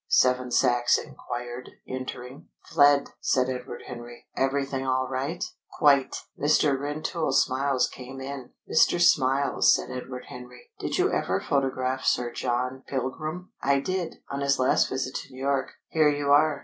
Seven Sachs enquired, entering. "Fled!" said Edward Henry. "Everything all right?" "Quite!" Mr. Rentoul Smiles came in. "Mr. Smiles," said Edward Henry, "did you ever photograph Sir John Pilgrim?" "I did, on his last visit to New York. Here you are!"